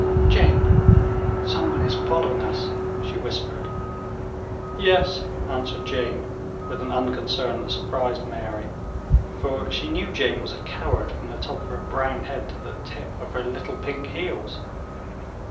"Jane, some one is following us," she whispered. "Yes," answered Jane, with an unconcern that surprised Mary, for she knew Jane was a coward from the top of her brown head to the tip of her little pink heels.